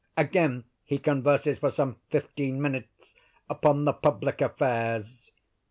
Again he converses, for some fifteen minutes, upon the public affairs.